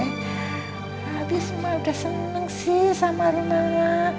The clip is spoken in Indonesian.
habis mah udah seneng sih sama rumahnya